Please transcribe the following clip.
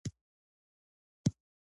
دا د هغه نسل څېره ده،